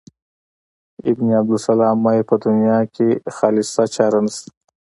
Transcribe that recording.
ابن عبدالسلام وايي په دنیا کې خالصه چاره نشته.